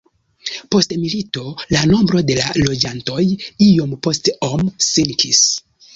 Post milito la nombro de loĝantoj iom post om sinkis.